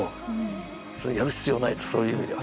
それやる必要ないとそういう意味では。